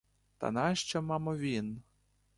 Та нащо, мамо, він?